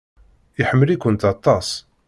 Iḥemmel-ikent aṭas.